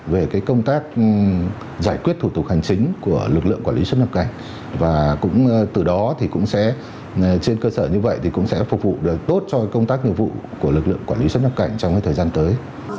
về công tác giải quyết thủ tục hành chính của lực lượng quản lý xuất nhập cảnh và từ đó trên cơ sở như vậy cũng sẽ phục vụ tốt cho công tác nhiệm vụ của lực lượng quản lý xuất nhập cảnh trong thời gian tới